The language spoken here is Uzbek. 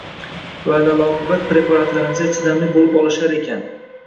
va alal-oqibat preparatlarimizga chidamli bo‘lib olishar ekan.